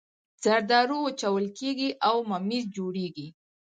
زردالو وچول کیږي او ممیز جوړوي